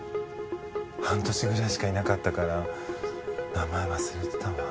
半年ぐらいしかいなかったから名前忘れてたわ。